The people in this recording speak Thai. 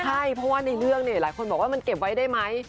ใช่เพราะว่าในเรื่องเนี่ยหลายคนบอกว่ามันเก็บไว้ได้ไหม